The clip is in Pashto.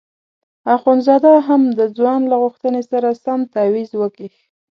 اخندزاده هم د ځوان له غوښتنې سره سم تاویز وکیښ.